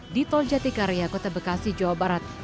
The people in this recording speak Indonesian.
di tol jati karya kota bekasi jawa barat